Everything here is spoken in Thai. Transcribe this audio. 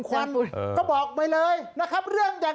สวัสดีค่ะต่างทุกคน